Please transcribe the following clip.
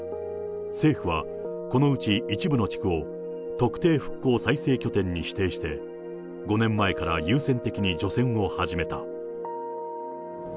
政府は、このうち一部の地区を特定復興再生拠点に指定して、５年前から優先的に除染を始めた。